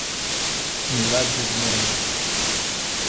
Milagres do Maranhão